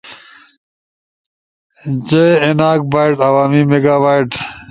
جے ایناک بائٹس، عمومی میگا بائٹس